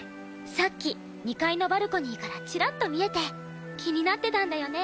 さっき２階のバルコニーからチラッと見えて気になってたんだよね。